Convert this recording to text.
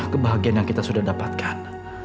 kebahagiaan yang kita sudah dapatkan